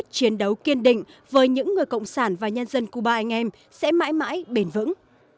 chiến đấu kiên định với những người cộng sản và nhân dân cuba anh em sẽ mãi mãi bền vững